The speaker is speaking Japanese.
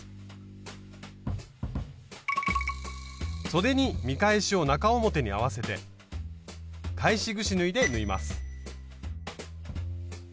そでに見返しを中表に合わせて返しぐし縫いで縫います。